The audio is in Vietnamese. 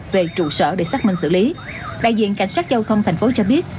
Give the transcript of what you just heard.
về trụ sở để xác minh xử lý đại diện cảnh sát giao thông tp hcm cho biết